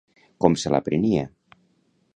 Com se la prenia?